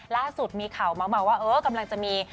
ล่าสุดมีข่าวเมาส์มาว่าเออกำลังจะมี